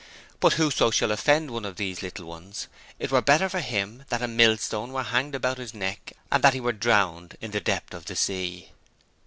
But whoso shall offend one of these little ones, it were better for him that a millstone were hanged about his neck and that he were drowned in the depth of the sea.